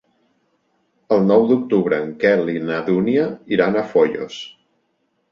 El nou d'octubre en Quel i na Dúnia iran a Foios.